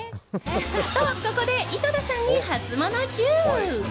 と、ここで井戸田さんにハツモノＱ！